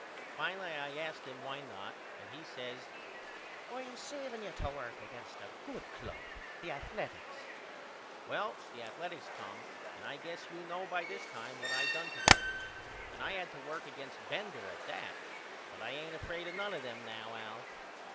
Finally I asked him why not and he says I am saving you to work against a good club, the Athaletics. Well the Athaletics come and I guess you know by this time what I done to them. And I had to work against Bender at that but I ain't afraid of none of them now Al.